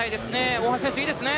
大橋選手、いいですね！